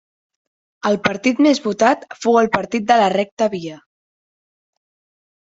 El partit més votat fou el Partit de la Recta Via.